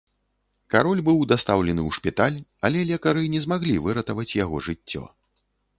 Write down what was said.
Кароль быў дастаўлены ў шпіталь, але лекары не змаглі выратаваць яго жыццё.